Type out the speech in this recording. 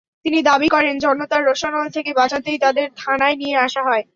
তিনি দাবি করেন, জনতার রোষানল থেকে বাঁচাতেই তাঁদের থানায় নিয়ে আসা হয়।